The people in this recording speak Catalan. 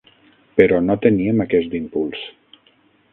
Però no teníem aquest impuls.